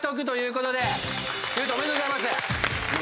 裕翔おめでとうございます。